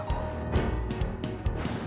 kamu bukan aja berusaha sama aku